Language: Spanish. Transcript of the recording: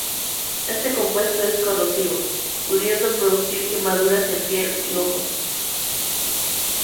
Este compuesto es corrosivo, pudiendo producir quemaduras en piel y ojos.